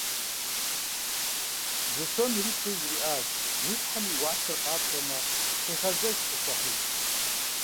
Зы сом иритри жриӏащ: «Уи щхьэм и уасэр къапщӏэмэ, къигъэзэжыр къысхуэхьыж».